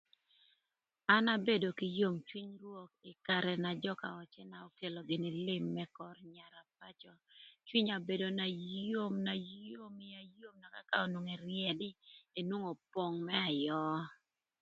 An abedo kï yom cwiny rwök ï karë na jö ka öcëna okelo gïnï lïm më kör nyara pacö. Cwinya obedo na yom, na yom, ïya yom naka ka onwongo ëryëdï, nwongo opong më ayöö